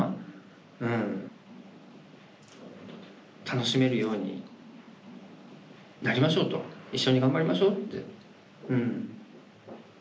「楽しめるようになりましょう」と「一緒に頑張りましょう」ってうん。